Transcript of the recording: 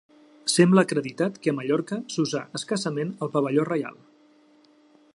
Sembla acreditat que a Mallorca s'usà escassament el Pavelló Reial.